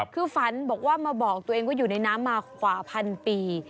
คือฝันบอกว่ามาบอกตัวเองว่าอยู่ในน้ำมากว่าพันปี